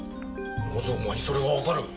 なぜお前にそれがわかる？